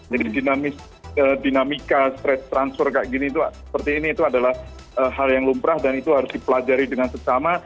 jadi dinamika transfer seperti ini adalah hal yang lumrah dan itu harus dipelajari dengan sesama